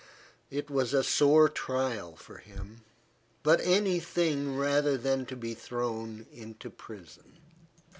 It was a sore trial for him; but any thing rather than to be thrown into prison.